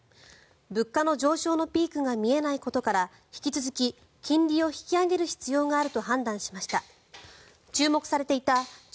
物価の上昇のピークが見えないことから、引き続き金利を引き上げる必要があると判断しました。